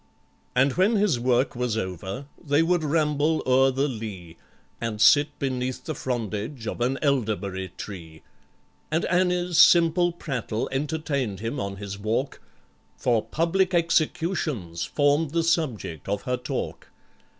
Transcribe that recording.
And when his work was over, they would ramble o'er the lea, And sit beneath the frondage of an elderberry tree, And ANNIE'S simple prattle entertained him on his walk, For public executions formed the subject of her talk.